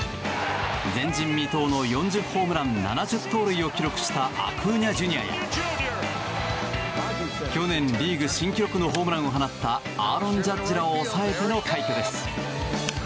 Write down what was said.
前人未到の４０ホームラン７０盗塁を記録したアクーニャＪｒ．や去年、リーグ新記録のホームランを放ったアーロン・ジャッジらを抑えての快挙です。